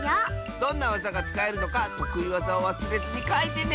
どんなわざがつかえるのかとくいわざをわすれずにかいてね！